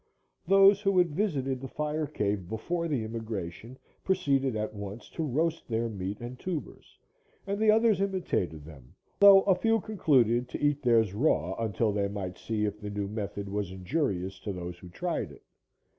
Those who had visited the fire cave before the immigration, proceeded at once to roast their meat and tubers, and the others imitated them, though a few concluded to eat theirs raw until they might see if the new method was injurious to those who tried it.